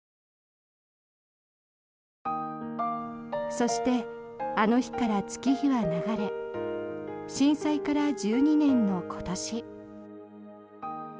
そして、あの日から月日は流れ震災から１２年の今年。